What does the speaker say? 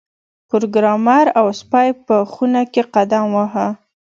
پروګرامر او سپی په خونه کې قدم واهه